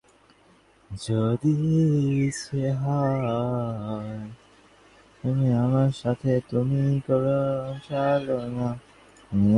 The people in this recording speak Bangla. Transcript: শর্মিলা জবাব দিলে, তুমি আছ কী করতে।